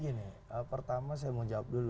jadi gini pertama saya mau jawab dulu